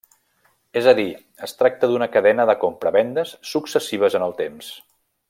És a dir, es tracta d'una cadena de compravendes successives en el temps.